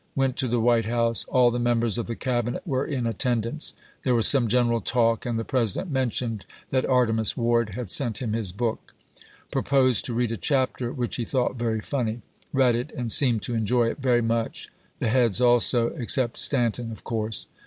Went to the White House. AU the members of the Cabinet were in atten dance. There was some general talk, and the President mentioned that Artemus Ward had sent him his book. Proposed to read a chapter which he thought very funny. EMANCIPATION ANNOUNCED 159 Read it, and seemed to enjoy it very much ; the heads also chap. viii. (except Stanton), of course.